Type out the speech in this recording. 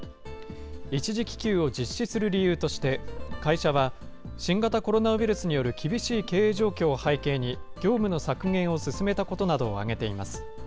一時帰休を実施する理由として、会社は、新型コロナウイルスによる厳しい経営状況を背景に、業務の削減を進めたことなどを挙げています。